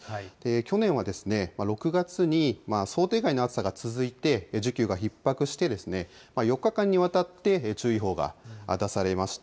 去年は６月に想定外の暑さが続いて、需給がひっ迫して、４日間にわたって注意報が出されました。